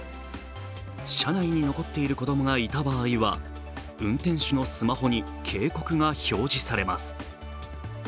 車内に残っている子供がいた場合は運転手のスマホに警告が表示されます。